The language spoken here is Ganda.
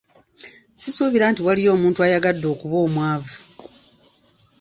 Sisuubira nti waliyo omuntu ayagadde okuba omwavu.